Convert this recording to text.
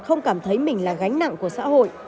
không cảm thấy mình là gánh nặng của xã hội